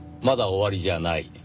まだ終わりじゃない」。